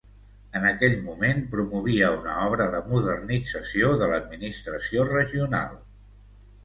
En aquell moment promovia una obra de modernització de l'administració regional.